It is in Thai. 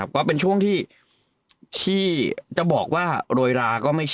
ก็เป็นช่วงที่รวยลาก็ไม่ใช่